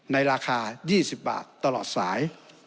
ในราคา๒๐บาทตลอดสาย